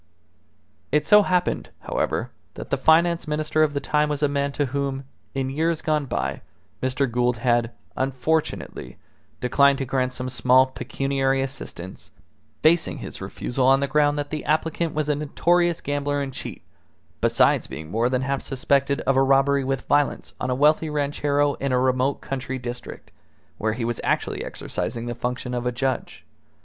It so happened, however, that the Finance Minister of the time was a man to whom, in years gone by, Mr. Gould had, unfortunately, declined to grant some small pecuniary assistance, basing his refusal on the ground that the applicant was a notorious gambler and cheat, besides being more than half suspected of a robbery with violence on a wealthy ranchero in a remote country district, where he was actually exercising the function of a judge.